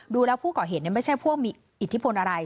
ดูแล้วผู้ก่อเหตุไม่ใช่พวกมีอิทธิพลอะไร